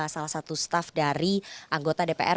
salah satu staff dari anggota dpr